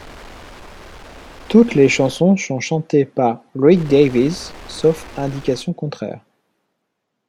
Toutes les chansons sont chantées par Rick Davies, sauf indication contraire.